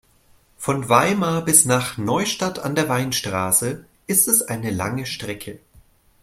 Von Weimar bis nach Neustadt an der Weinstraße ist es eine lange Strecke